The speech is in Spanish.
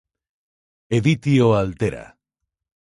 Editio Altera".